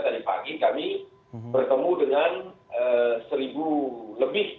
tadi pagi kami bertemu dengan seribu lebih